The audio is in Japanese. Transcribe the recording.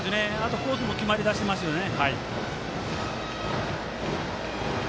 コースも決まりだしてますよね。